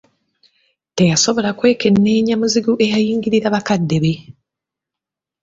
Teyasobola kwekenneenya muzigu eyayingirira bakadde be.